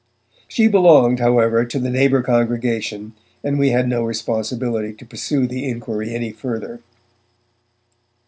She belonged, however, to the neighbour congregation, and we had no responsibility to pursue the inquiry any further.